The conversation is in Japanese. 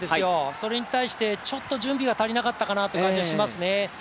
それに対して準備が足りなかったかなという感じがしますね。